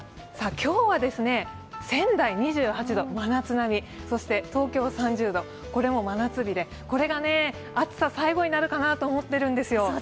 今日は仙台２８度、真夏並み、そして東京３０度、これも真夏日でこれが暑さ、最後になるかなと思っているんです。